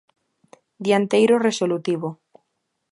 Dianteiro resolutivo.